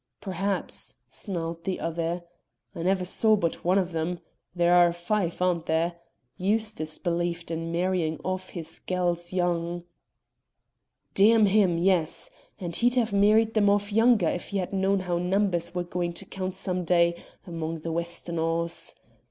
"Perhaps," snarled the other. "I never saw but one of them. There are five, aren't there? Eustace believed in marrying off his gals young." "Damn him, yes. And he'd have married them off younger if he had known how numbers were going to count some day among the Westonhaughs."